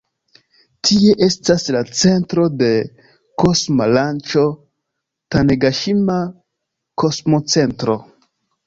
Tie estas la centro de kosma lanĉo Tanegaŝima-Kosmocentro.